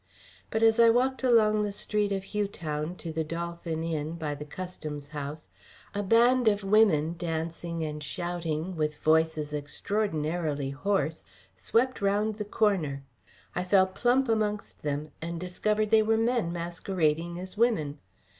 But as I walked along the street of Hugh Town to the "Dolphin" Inn, by the Customs House, a band of women dancing and shouting, with voices extraordinarily hoarse, swept round the corner. I fell plump amongst them, and discovered they were men masquerading as women.